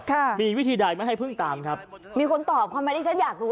ค่ะมีวิธีใดไม่ให้พึ่งตามครับมีคนตอบทำไมที่ฉันอยากรู้